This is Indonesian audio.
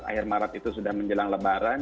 akhir maret itu sudah menjelang lebaran